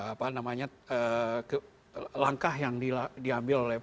apa namanya langkah yang diambil oleh pak luhut